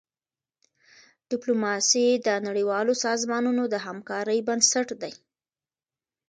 ډيپلوماسي د نړیوالو سازمانونو د همکارۍ بنسټ دی.